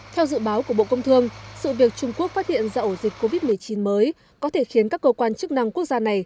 theo dự báo của bộ công thương sự việc trung quốc phát hiện ra ổ dịch covid một mươi chín mới có thể khiến các cơ quan chức năng quốc gia này